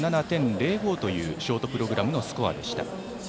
７７．０５というショートプログラムのスコア。